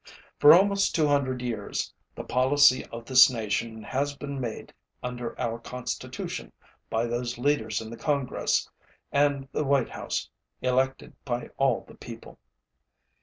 For almost 200 years, the policy of this nation has been made under our Constitution by those leaders in the Congress and the White House elected by all the people.